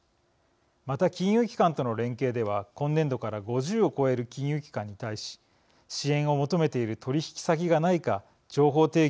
また金融機関との連携では今年度から５０を超える金融機関に対し支援を求めている取引先がないか情報提供を要請しています。